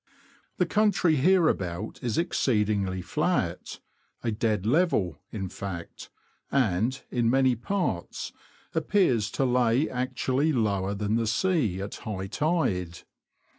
The country hereabout is exceedingly flat — a dead level, in fact — and, in many parts, appears to lay actually lower than the sea at high tide.